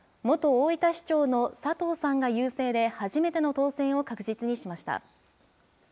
元大分市長の佐藤さんが優勢で、初めての当選を確実にしました。